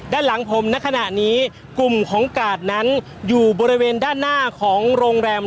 ด้านหลังผมในขณะนี้กลุ่มของกาดนั้นอยู่บริเวณด้านหน้าของโรงแรม